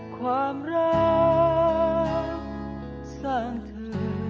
ความรักสร้างเธอ